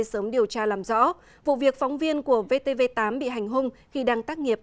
sớm điều tra làm rõ vụ việc phóng viên của vtv tám bị hành hung khi đang tác nghiệp